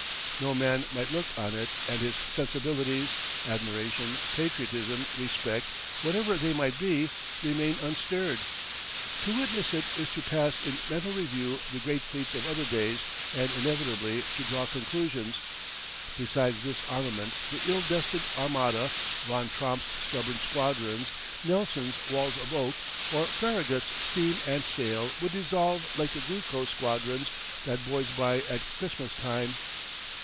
No man might look on it and his sensibilities admiration, patriotism, respect, whatever they might be remain unstirred. To witness it is to pass in mental review the great fleets of other days and inevitably to draw conclusions. Beside this armament the ill destined Armada, Von Tromp's stubborn squadrons, Nelson's walls of oak, or Farragut's steam and sail would dissolve like the glucose squadrons that boys buy at Christmas time.